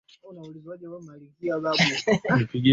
msomaji aliyebahatika aweze kuchambua zaidi basi nimpishe mwenzangu